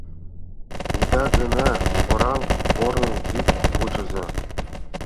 Ида гына кораҥ, корным вик кучыза...